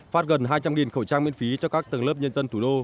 phát gần hai trăm linh khẩu trang miễn phí cho các tầng lớp nhân dân thủ đô